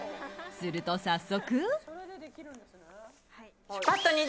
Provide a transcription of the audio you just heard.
すると、早速。